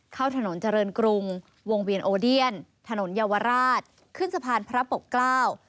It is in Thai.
เข้าถนนเจริญกรุงวงเวียนโอเดียนถนนเยาวราชขึ้นสะพานพระปกเกล้า